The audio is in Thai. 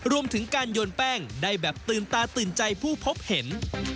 รวมถึงการโยนแป้งได้แบบตื่นตาตื่นใจผู้พบเห็น